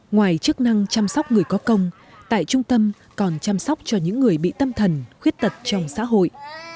ngoài chức năng chăm sóc người có công tại trung tâm còn chăm sóc cho những người bị tâm thần khuyết tật trong xã hội